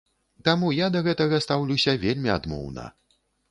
Таму я да гэтага стаўлюся вельмі адмоўна.